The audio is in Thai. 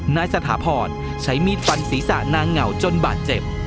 นายสถาพรใช้มีดฟันศีรษะนางเหงาจนบาดเจ็บ